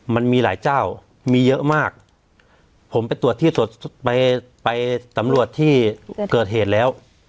มันมีหลายเจ้ามีเยอะมากผมไปตรวจที่ไปไปสำรวจที่เกิดเหตุแล้ว